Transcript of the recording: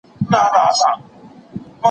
استازي د نړیوال عدالت لپاره څه وړاندیز کوي؟